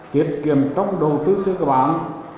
tiết kiệm trong đầu tư sự cơ bản